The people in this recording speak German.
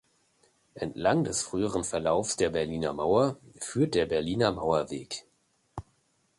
Entlang des früheren Verlaufs der Berliner Mauer führt der Berliner Mauerweg.